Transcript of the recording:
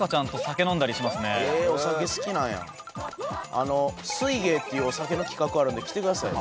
あの「酔芸」っていうお酒の企画あるんで来てくださいよ。